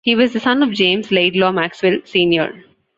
He was the son of James Laidlaw Maxwell, Senior.